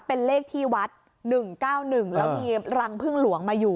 เป็นเลขที่วัด๑๙๑แล้วมีรังพึ่งหลวงมาอยู่